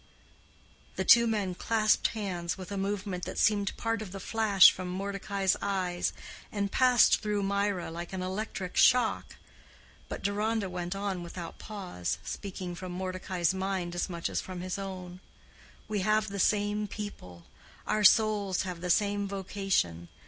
The two men clasped hands with a movement that seemed part of the flash from Mordecai's eyes, and passed through Mirah like an electric shock. But Deronda went on without pause, speaking from Mordecai's mind as much as from his own, "We have the same people. Our souls have the same vocation.